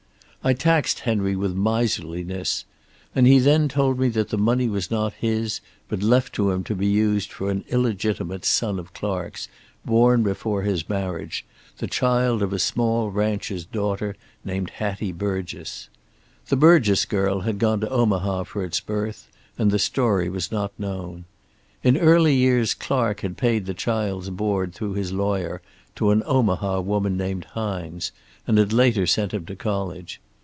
"I taxed Henry with miserliness, and he then told me that the money was not his, but left to him to be used for an illegitimate son of Clark's, born before his marriage, the child of a small rancher's daughter named Hattie Burgess. The Burgess girl had gone to Omaha for its birth, and the story was not known. In early years Clark had paid the child's board through his lawyer to an Omaha woman named Hines, and had later sent him to college.